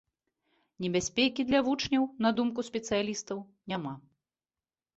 Небяспекі для вучняў, на думку спецыялістаў, няма.